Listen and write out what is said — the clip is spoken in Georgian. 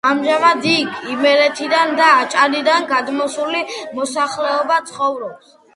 ამჟამად იქ იმერეთიდან და აჭარიდან გადმოსული მოსახლეობა ცხოვრობს.